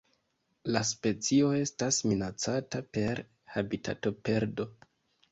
La specio estas minacata per habitatoperdo.